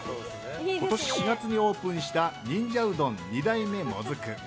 今年４月にオープンした忍者うどん二代目水雲。